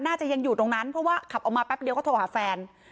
น่าจะยังอยู่ตรงนั้นเพราะว่าขับออกมาแป๊บเดียวก็โทรหาแฟน